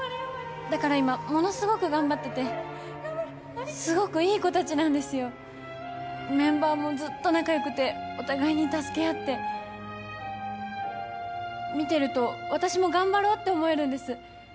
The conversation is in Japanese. だから今ものすごく頑張っててすごくいい子達なんですよメンバーもずっと仲良くてお互いに助け合って見てると私も頑張ろうって思えるんです